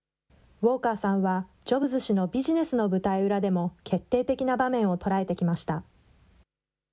ウォーカーさんは、ジョブズ氏のビジネスの舞台裏でも、決定的な場面を捉えてきました。